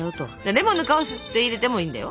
レモンの皮をすって入れてもいいんだよ。